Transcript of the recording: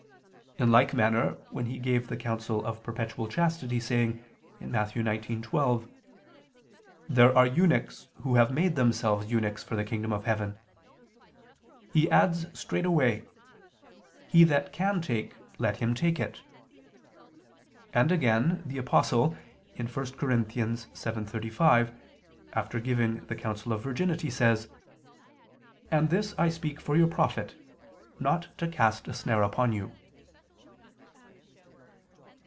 In like manner when He gave the counsel of perpetual chastity, saying (Matt. 19:12): "There are eunuchs who have made themselves eunuchs for the kingdom of heaven," He adds straightway: "He that can take, let him take it." And again, the Apostle (1 Cor. 7:35), after giving the counsel of virginity, says: "And this I speak for your profit; not to cast a snare upon you."